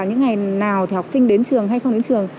những ngày nào thì học sinh đến trường hay không đến trường